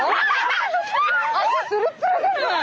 足ツルッツルじゃない！